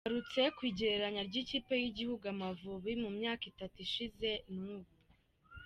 Yagarutse ku igereranya ry’ ikipe y’ igihugu Amavubi mu myaka itatu ishize n’ ubu.